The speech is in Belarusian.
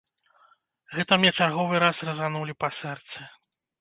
Гэта мне чарговы раз разанулі па сэрцы.